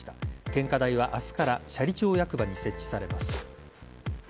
献花台は明日から斜里町役場に設置されます。